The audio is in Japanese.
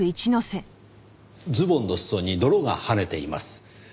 ズボンの裾に泥がはねています。